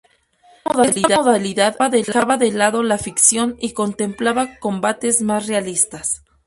Esta modalidad dejaba de lado la ficción y contemplaba combates más realistas.